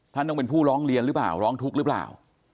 ท่านต้องเป็นผู้ร้องเรียนหรือเปล่าร้องทุกข์หรือเปล่า